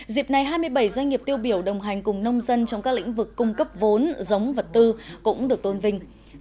dịp này hai mươi bảy doanh nghiệp tiêu biểu đồng hành cùng nông dân trong các lĩnh vực cung cấp vốn giống vật tư cũng được tôn vinh